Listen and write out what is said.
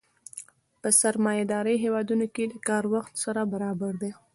په سرمایه داري هېوادونو کې د کار وخت سره برابر دی